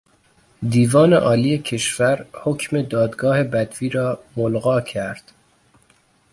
دیوان عالی کشور حکم دادگاه بدوی را ملغی کرد.